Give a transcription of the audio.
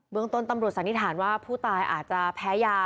เมืองต้นตำรวจสันนิษฐานว่าผู้ตายอาจจะแพ้ยา